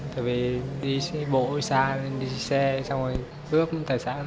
tại vì đi bộ xa đi xe xong rồi cướp tài sản